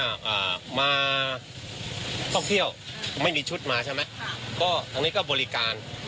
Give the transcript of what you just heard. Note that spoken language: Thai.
อ่ามาท่องเที่ยวไม่มีชุดมาใช่ไหมค่ะก็ทางนี้ก็บริการ